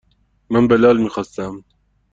من بلال میخواستم.